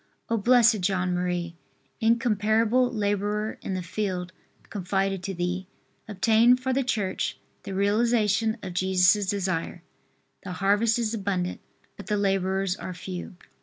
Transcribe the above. O, Bl. John Marie, incomparable laborer in the field confided to thee, obtain for the Church the realization of Jesus' desire. The harvest is abundant, but the laborers are few.